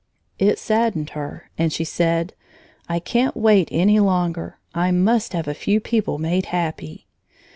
It saddened her, and she said: "I can't wait any longer. I must have a few people made happy."